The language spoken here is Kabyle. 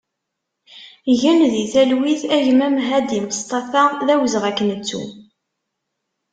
Gen di talwit a gma Mehadi Mestafa, d awezɣi ad k-nettu!